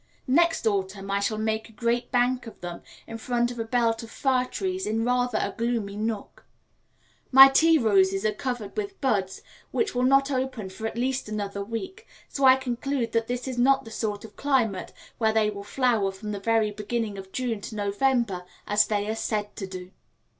Next autumn I shall make a great bank of them in front of a belt of fir trees in rather a gloomy nook. My tea roses are covered with buds which will not open for at least another week, so I conclude this is not the sort of climate where they will flower from the very beginning of June to November, as they are said to do.